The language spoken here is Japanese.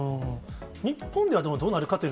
日本ではどうなるかというの